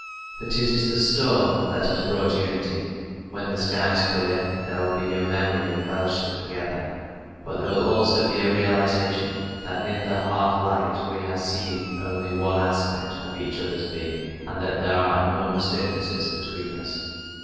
But it is the storm that has brought unity. When the skies clear, there will be a memory of fellowship together, but there will also be a realization that in the half light we have seen only one aspect of each other's being, and that there are enormous differences between us.